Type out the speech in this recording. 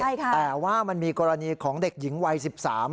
แต่ว่ามันมีกรณีของเด็กหญิงวัย๑๓ปี